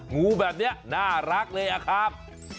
งูแบบนี้น่ารักเลยอะครับ